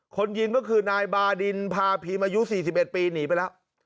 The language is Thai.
คนยิงก็คือนายบาดินพาพิมพ์อายุ๔๑ปีหนีไปแล้ว